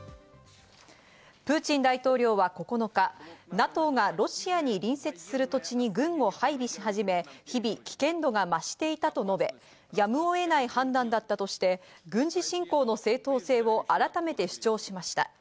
プーチン大統領は９日、ＮＡＴＯがロシアに隣接する土地に軍を配備し始め、日々危険度が増していたと述べ、やむを得ない判断だったとして軍事侵攻の正当性を改めて主張しました。